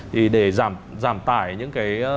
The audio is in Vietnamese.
thì để giảm tải những cái